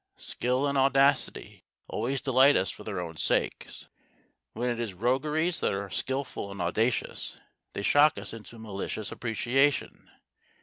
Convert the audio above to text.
Skill and audacity always delight us for their own sakes; when it is rogueries that are skilful and audacious, they shock us into malicious appreciation.